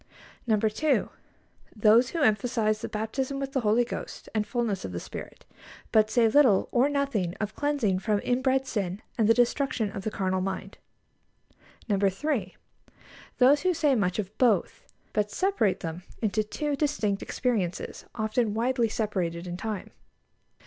2. Those who emphasise the baptism with the Holy Ghost and fullness of the Spirit, but say little or nothing of cleansing from inbred sin and the destruction of the carnal mind. 3. Those who say much of both, but separate them into two distinct experiences, often widely separated in time.